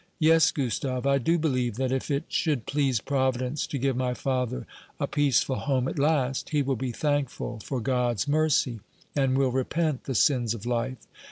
Yes, Gustave, I do believe that if it should please Providence to give my father a peaceful home at last, he will be thankful for God's mercy, and will repent the sins of life.